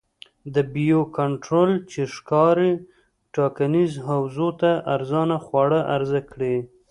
د بیو کنټرول چې ښاري ټاکنیزو حوزو ته ارزانه خواړه عرضه کړي.